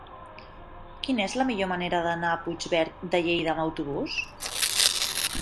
Quina és la millor manera d'anar a Puigverd de Lleida amb autobús?